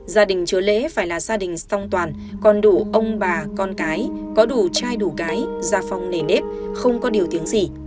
gia đình chúa lễ phải là gia đình song toàn còn đủ ông bà con cái có đủ chai đủ cái gia phong nền nếp không có điều tiếng gì